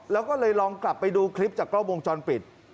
แล้วก็เลยลองกลับไปดูคลิปจากกล้องวงจรปิด